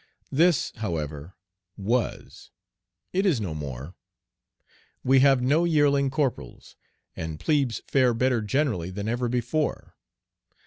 This, however, was. It is no more. We have no yearling corporals, and plebes fare better generally than ever before.